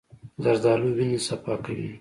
زردالو د وینې صفا کوي.